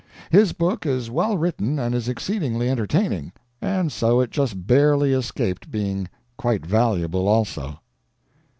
His book is well written and is exceedingly entertaining, and so it just barely escaped being quite valuable also.